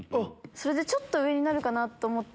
ちょっと上になるかなと思って。